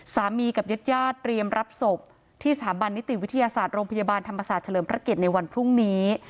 กับญาติญาติเตรียมรับศพที่สถาบันนิติวิทยาศาสตร์โรงพยาบาลธรรมศาสตร์เฉลิมพระเกียรติในวันพรุ่งนี้